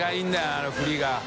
あの振りが。